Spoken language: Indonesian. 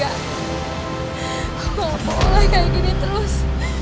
aku gak boleh kayak gini terus